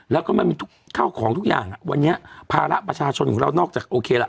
แล้วก็มันมีทุกข้าวของทุกอย่างวันนี้ภาระประชาชนของเรานอกจากโอเคละ